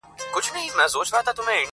شالمار په وینو رنګ دی د مستیو جنازې دي -